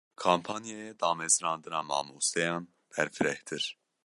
Kampanyaya damezirandina mamosteyan berfirehtir.